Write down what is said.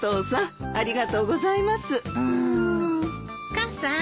母さん。